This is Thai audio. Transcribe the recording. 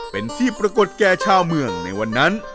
เป็นที่ปรากฏแก่ชาวเมืองในวันนั้น